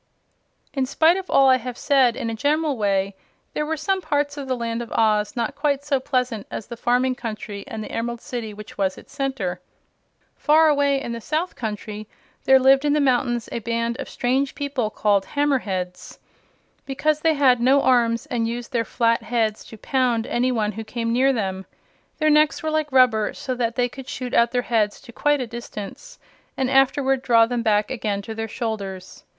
In spite of all I have said in a general way, there were some parts of the Land of Oz not quite so pleasant as the farming country and the Emerald City which was its center. Far away in the South Country there lived in the mountains a band of strange people called Hammer Heads, because they had no arms and used their flat heads to pound any one who came near them. Their necks were like rubber, so that they could shoot out their heads to quite a distance, and afterward draw them back again to their shoulders.